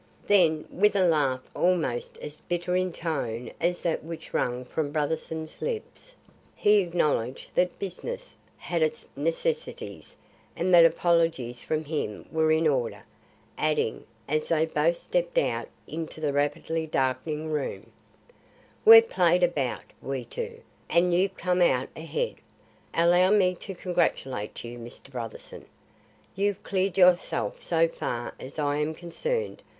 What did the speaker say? Then, with a laugh almost as bitter in tone as that which rang from Brotherson's lips, he acknowledged that business had its necessities and that apologies from him were in order; adding, as they both stepped out into the rapidly darkening room: "We've played a bout, we two; and you've come out ahead. Allow me to congratulate you, Mr. Brotherson. You've cleared yourself so far as I am concerned.